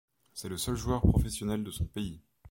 C'est le seul joueur professionnel de son pays.